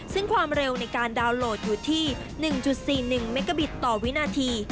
ซึ่งความเร็วในการดาวน์โหลดอยู่ที่๑๔๑เมกาบิตต่อวินาที